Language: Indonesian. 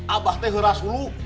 abahnya keras dulu